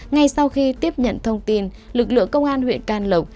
ngay sau khi tiếp nhận thông tin lực lượng công an huyện can lộc